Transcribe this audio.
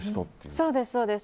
そうです。